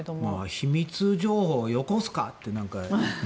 秘密情報をよこすかって。